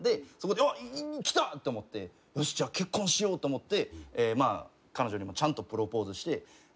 そこであっ来たって思ってよしじゃ結婚しようと思って彼女にもちゃんとプロポーズして。